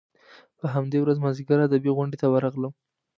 په همدې ورځ مازیګر ادبي غونډې ته ورغلم.